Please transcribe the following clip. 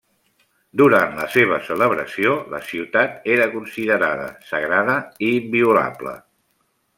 Durant la seva celebració la ciutat era considerada sagrada i inviolable.